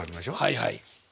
はいはい。